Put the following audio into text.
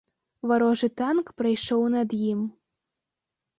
Варожы танк прайшоў над ім.